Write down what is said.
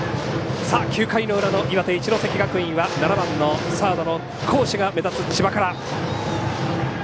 ９回の裏の岩手・一関学院は７番のサードの好守が目立つ千葉から。